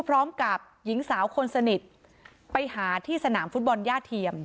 พร้อมกับหญิงสาวคนสนิทไปหาที่สนามฟุตบอลย่าเทียม